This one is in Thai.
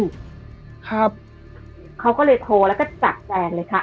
ครับเขาก็เลยโทรแล้วก็จับแฟนเลยค่ะ